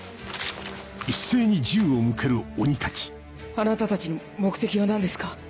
あなたたちの目的は何ですか？